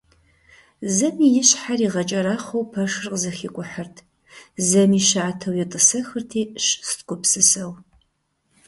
Зэми и щхьэр игъэкӀэрахъуэу пэшыр зэхикӀухьырт, зэми щатэу етӀысэхырти щыст гупсысэу.